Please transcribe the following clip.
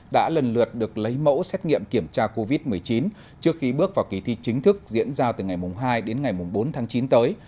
đã lần lượt được lấy mẫu xét nghiệm kiểm tra covid một mươi chín trước khi bước vào kỳ thi chính thức diễn ra từ ngày hai đến ngày bốn tháng chín tới